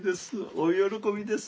大喜びです。